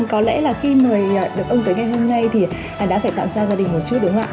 có lẽ là khi mời được ông tới ngày hôm nay thì đã phải tạm xa gia đình một chút đúng không ạ